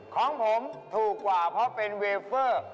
ของผมถูกกว่าเพราะเป็นเวเฟอร์